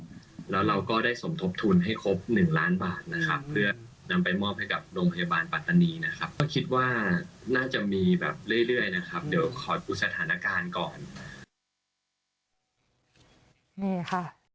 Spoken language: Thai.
นี่แล้วเราก็ได้สมทบทุนให้ครบหนึ่งล้านบาทนะครับเพื่อนำไปมอบให้กับโรงพยาบาลปัตตานีนะครับก็คิดว่าน่าจะมีแบบเรื่อยนะครับเดี๋ยวขอดูสถานการณ์ก่อน